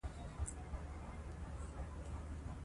افغانستان د پسونو د ترویج لپاره پروګرامونه لري.